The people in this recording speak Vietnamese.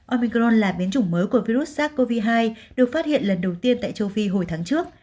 omingron là biến chủng mới của virus sars cov hai được phát hiện lần đầu tiên tại châu phi hồi tháng trước